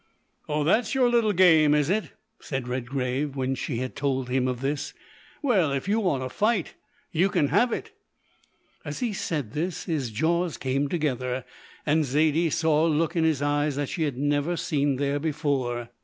"Oh, that's your little game, is it!" said Redgrave, when she had told him of this. "Well, if you want a fight, you can have it." As he said this, his jaws came together, and Zaidie saw a look in his eyes that she had never seen there before.